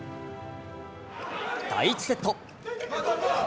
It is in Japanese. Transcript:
第１セット。